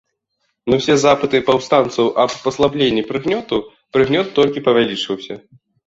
На ўсе запыты паўстанцаў аб паслабленні прыгнёту, прыгнёт толькі павялічваўся.